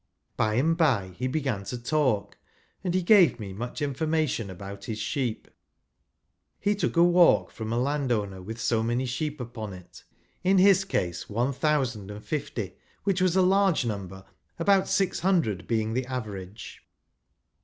By and bye he began to talk, and he gave me much information about liis sheep. He took a " walk " from a landowner with so many sheep upon it ; in his case one thousand and fifty, which was a large number, about, six hundred being the average.